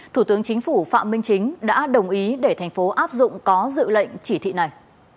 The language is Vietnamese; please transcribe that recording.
thủ tướng chính phủ phạm minh chính đã đồng ý để thành phố áp dụng có dự lệnh chỉ thị này